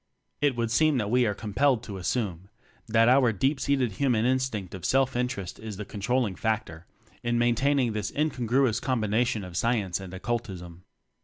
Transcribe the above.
It would seem that we are com pelled to assume that our deep seated human instinct of self interest is the controlling factor in maintaining this incongruous combination of Science and Occultism.